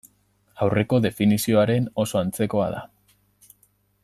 Aurreko definizioaren oso antzekoa da.